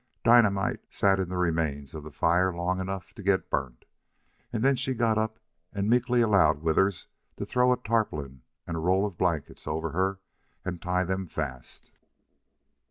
Dynamite sat in the remains of the fire long enough to get burnt, and then she got up and meekly allowed Withers to throw a tarpaulin and a roll of blankets over her and tie them fast.